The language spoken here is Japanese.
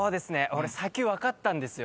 俺「砂丘」分かったんですよ。